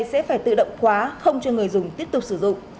thông tư này sẽ phải tự động khóa không cho người dùng tiếp tục sử dụng